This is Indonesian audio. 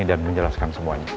dan menjelaskan semuanya